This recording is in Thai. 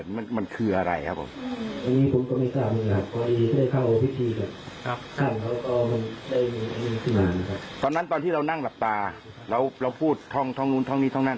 มันก็ไม่มีอะไรนะครับเพราะแต่เราเข้ามาไปแล้วมันจะมีความอยู่ในของเรานะครับ